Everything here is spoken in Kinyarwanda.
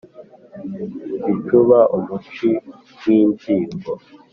bicuba, umuci w’inzigo